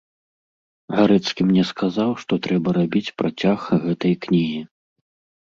Гарэцкі мне сказаў, што трэба рабіць працяг гэтай кнігі.